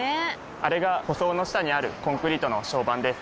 あれが舗装の下にあるコンクリートの床版です。